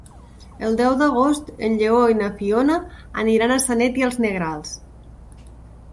El deu d'agost en Lleó i na Fiona aniran a Sanet i els Negrals.